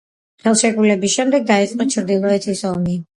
ხელშეკრულების შემდეგ დაიწყო ჩრდილოეთის ომი.